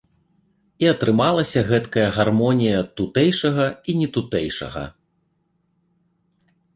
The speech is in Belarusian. І атрымалася гэткая гармонія тутэйшага і нетутэйшага.